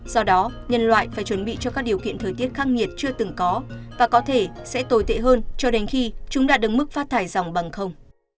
do đó nhân loại phải chuẩn bị cho các điều kiện thời tiết khắc nghiệt chưa từng có và có thể sẽ tồi tệ hơn cho đến khi chúng đã đứng mức phát thải dòng bằng không